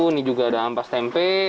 ini juga ada ampas tempe